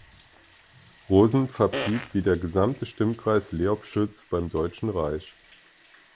Rosen verblieb wie der gesamte Stimmkreis Leobschütz beim Deutschen Reich.